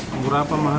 murah apa mahal